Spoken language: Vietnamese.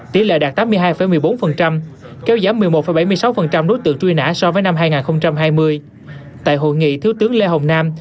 tỷ lệ đạt tám mươi hai một mươi bốn kéo giảm một mươi một bảy mươi sáu đối tượng truy nã so với năm hai nghìn hai mươi